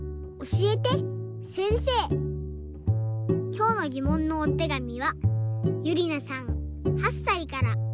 きょうのぎもんのおてがみはゆりなさん８さいから。